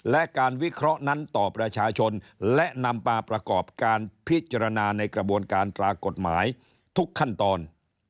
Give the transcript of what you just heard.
และการวิเคราะห์นั้นต่อประชาชนและนำมาประกอบการพิจารณาในกระบวนการตรากฎหมายทุกขั้นตอน